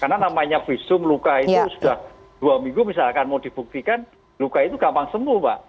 karena namanya visum luka itu sudah dua minggu misalkan mau dibuktikan luka itu gampang sembuh mbak